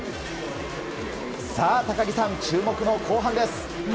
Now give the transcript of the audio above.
さあ、高木さん注目の後半です。